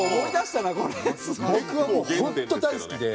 僕はもう本当に大好きで。